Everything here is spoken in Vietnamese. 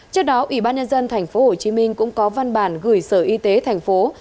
trước đó ủy ban nhân dân tp hcm cũng có văn bản gửi sở y tế tp hcm